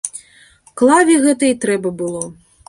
Клаве гэта і трэба было.